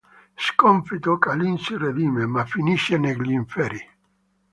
Sconfitto, Kalin si redime, ma finisce negli inferi.